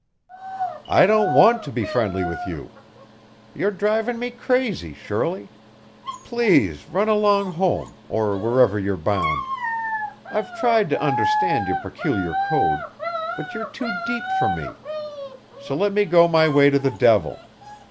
"I don't want to be friendly with you. You're driving me crazy, Shirley. Please run along home, or wherever you're bound. I've tried to understand your peculiar code, but you're too deep for me; so let me go my way to the devil.